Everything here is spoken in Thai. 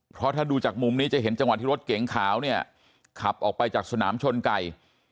เพราะถ้าดูจากมุมนี้จะเห็นจังหวะที่รถเก๋งขาวเนี่ยขับออกไปจากสนามชนไก่